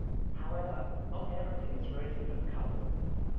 However, not everything is rosy for the couple.